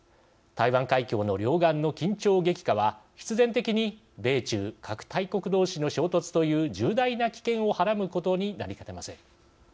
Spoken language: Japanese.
台湾海峡の両岸の緊張激化は必然的に米中核大国どうしの衝突という重大な危険をはらむことになりかねません。